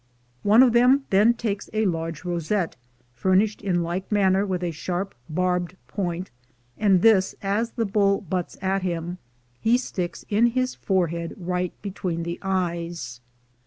One of them then takes a large rosette, furnished in like manner with a sharp barbed point, and this, as the bull butts at him, he sticks in his forehead right between the eyes.